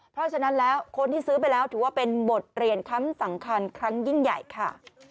เพราะฉะนั้นแล้วคนที่ซื้อไปแล้วถือว่าเป็นบทเรียนครั้งสำคัญครั้งยิ่งใหญ่ค่ะ